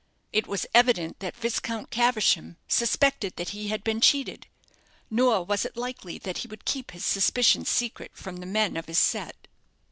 It was evident that Viscount Caversham suspected that he had been cheated; nor was it likely that he would keep his suspicions secret from the men of his set.